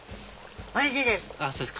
おいしいです！